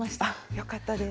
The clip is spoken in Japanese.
よかったです。